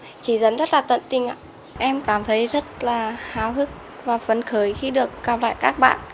thầy cô chỉ dẫn rất là tận tình em cảm thấy rất là hào hức và phấn khởi khi được gặp lại các bạn